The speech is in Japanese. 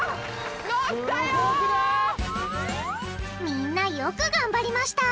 みんなよく頑張りました！